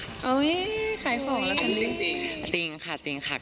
อ้าวเฮ้ยขายของแล้วสักทีค่ะจริงค่ะค่ะค่ะ